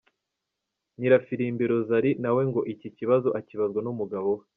Nyirafirimbi Rosalie, na we ngo iki kibazo akibazwa n’umugabo we.